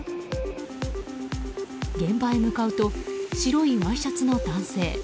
現場へ向かうと白いワイシャツの男性。